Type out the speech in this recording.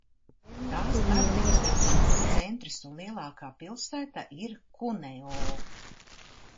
Tās administratīvais centrs un lielākā pilsēta ir Kuneo.